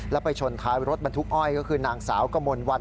แล้วไปชนท้ายรถบรรทุกอ้อยก็คือนางสาวกมลวัน